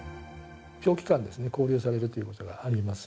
長期間ですね勾留されるということがあります。